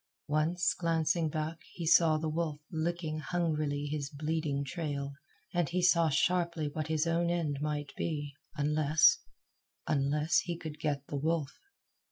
Once, glancing back, he saw the wolf licking hungrily his bleeding trail, and he saw sharply what his own end might be unless unless he could get the wolf.